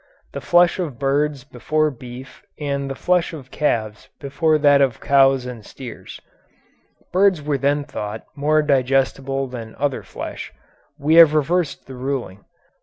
The flesh of birds before beef and the flesh of calves before that of cows and steers. (Birds were then thought more digestible than other flesh; we have reversed the ruling.